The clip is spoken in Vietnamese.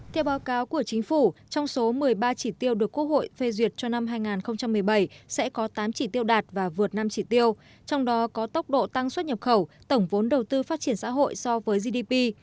theo báo cáo của chính phủ trong số một mươi ba chỉ tiêu được quốc hội phê duyệt cho năm hai nghìn một mươi bảy sẽ có tám chỉ tiêu đạt và vượt năm chỉ tiêu trong đó có tốc độ tăng xuất nhập khẩu tổng vốn đầu tư phát triển xã hội so với gdp